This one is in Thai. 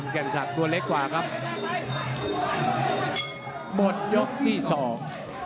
แก่งซักกลัวเล็กกว่ากลัวครับ